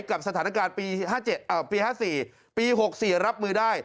กับสถานการณ์ปี๕๔ปี๖๔รับมือได้